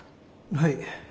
はい。